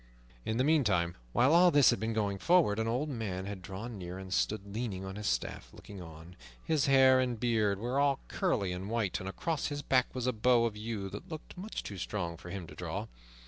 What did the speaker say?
In the meantime, while all this had been going forward, an old man had drawn near and stood leaning on his staff, looking on. His hair and beard were all curly and white, and across his back was a bow of yew that looked much too strong for him to draw.